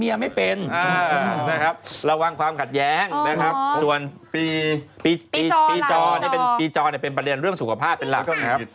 แย้งนะครับส่วนปีจอปีจอเป็นประเด็นเรื่องสุขภาษณ์เป็นลักษณ์ครับ